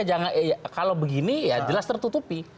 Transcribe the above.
menurut saya kalau begini ya jelas tertutupi